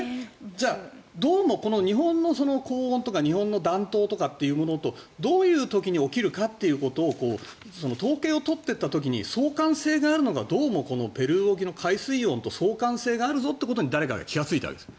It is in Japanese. どうも日本の高温とか日本の暖冬とかっていうものとどういう時に起こるかっていうのを統計を取っていった時に相関性があるのがどうもペルー沖の海水温と相関性があるぞということに誰かが気付いたわけです。